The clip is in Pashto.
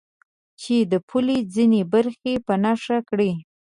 چې د پولې ځینې برخې په نښه کړي.